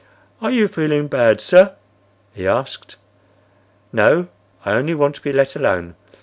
"Are you feeling bad, sir?" he asked. "No, I only want to be let alone.